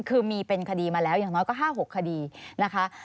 คือมีเป็นคดีมาแล้วอย่างน้อยก็๕๖คดีนะคะ